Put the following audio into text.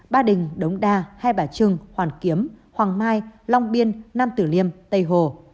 ba đình đống đa hai bà trưng hoàn kiếm hoàng mai long biên nam tử liêm tây hồ